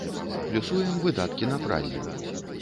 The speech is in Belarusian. Плюсуем выдаткі на пральню.